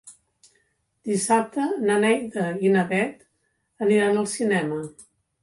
Dissabte na Neida i na Bet aniran al cinema.